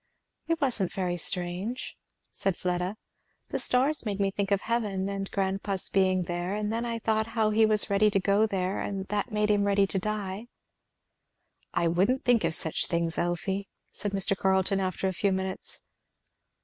"It wasn't very strange," said Fleda. "The stars made me think of heaven, and grandpa's being there, and then I thought how he was ready to go there and that made him ready to die " "I wouldn't think of such things, Elfie," said Mr. Carleton after a few minutes.